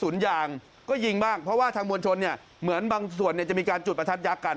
ทางมวลชนเหมือนบางส่วนจะมีการจุดประทัดยักษ์กัน